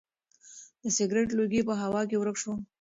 د سګرټ لوګی په هوا کې ورک شو.